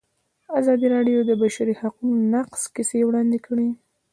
ازادي راډیو د د بشري حقونو نقض کیسې وړاندې کړي.